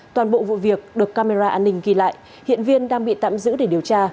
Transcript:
toàn bộ vụ việc được camera an ninh ghi lại hiện viên đang bị tạm giữ để điều tra